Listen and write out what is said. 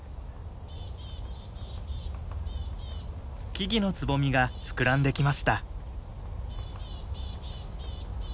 木々のツボミが膨らんできました。